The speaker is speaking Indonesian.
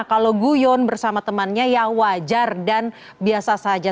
kalau guyon bersama temannya ya wajar dan biasa saja